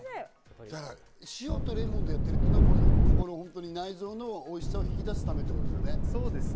塩とレモンでやっているっていうのは、内臓のおいしさを引き出すためってことですよね。